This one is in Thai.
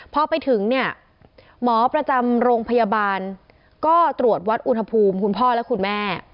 พอไปถึงเนี่ยหมอประจำโรงพยาบาลก็ตรวจวัดอุณหภูมิคุณพ่อและคุณแม่